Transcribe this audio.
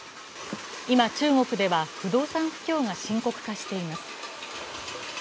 今、中国では不動産不況が深刻化しています。